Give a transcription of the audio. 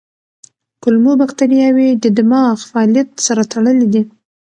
کولمو بکتریاوې د دماغ فعالیت سره تړلي دي.